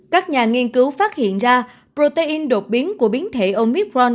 các nhà nghiên cứu phát hiện ra protein đột biến của biến thể omipron